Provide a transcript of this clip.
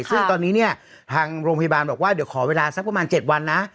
ซึ่งตอนนี้เนี่ยทางโรงพยาบาลบอกว่าเดี๋ยวขอเวลาสักประมาณ๗วันนะ